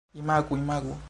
Imagu... imagu...